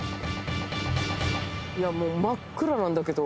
もう真っ暗なんだけど。